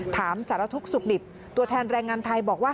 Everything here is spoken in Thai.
ถามสารทุกข์สุขดิบตัวแทนแรงงานไทยบอกว่า